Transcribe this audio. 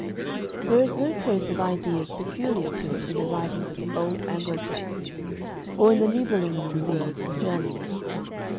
There is no trace of ideas peculiar to it in the writings of the old Anglo Saxons or in the Nibelungen Lied of Germany.